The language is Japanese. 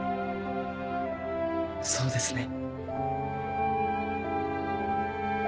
そうですね。